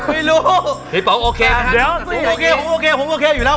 พี่ป๋องโอเคครับเดี๋ยวโอเคผมโอเคผมโอเคอยู่แล้ว